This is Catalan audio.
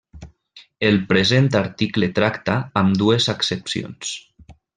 El present article tracta ambdues accepcions.